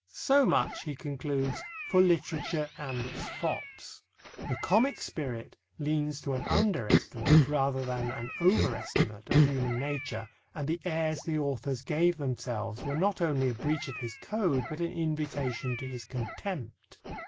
"So much," he concludes, "for literature and its fops." The comic spirit leans to an under estimate rather than an over estimate of human nature, and the airs the authors gave themselves were not only a breach of his code, but an invitation to his contempt.